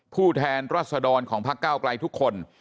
ผู้แทนรัศดรของภักดิ์ก้าวกลัยทุกคน